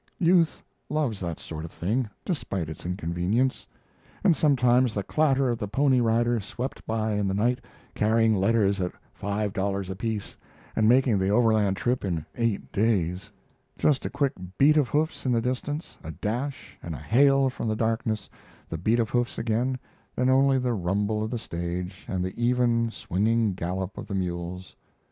Youth loves that sort of thing, despite its inconvenience. And sometimes the clatter of the pony rider swept by in the night, carrying letters at five dollars apiece and making the Overland trip in eight days; just a quick beat of hoofs in the distance, a dash, and a hail from the darkness, the beat of hoofs again, then only the rumble of the stage and the even, swinging gallop of the mules.